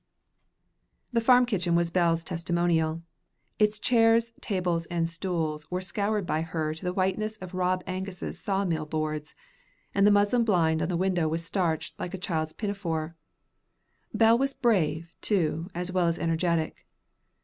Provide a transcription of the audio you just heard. The farm kitchen was Bell's testimonial. Its chairs, tables, and stools were scoured by her to the whiteness of Rob Angus's saw mill boards, and the muslin blind on the window was starched like a child's pinafore. Bell was brave, too, as well as energetic.